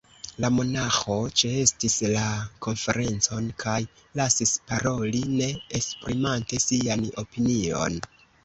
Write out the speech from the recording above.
La monaĥo ĉeestis la konferencon kaj lasis paroli, ne esprimante sian opinion.